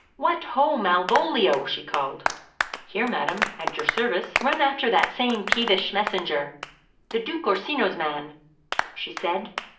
"What ho! Malvolio!" she called. "Here, madam, at your service." "Run after that same peevish messenger, the Duke Orsino's man," she said.